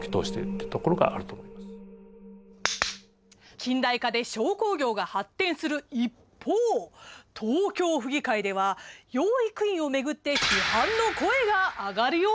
「近代化で商工業が発展する一方東京府議会では養育院を巡って批判の声が上がるようになります。